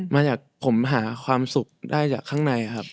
มาจากผมหาความสุขได้จากข้างในครับ